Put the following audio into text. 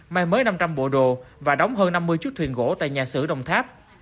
mang mới năm trăm linh bộ đồ và đóng hơn năm mươi chút thuyền gỗ tại nhà sử đồng tháp